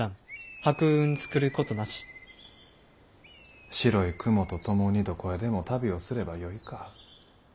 白い雲と共にどこへでも旅をすればよいか。